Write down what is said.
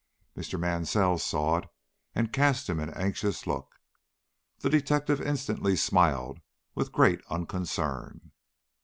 Mr. Mansell saw it and cast him an anxious look. The detective instantly smiled with great unconcern.